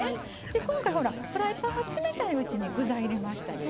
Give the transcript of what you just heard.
今回ほらフライパンが冷たいうちに具材入れましたでしょ。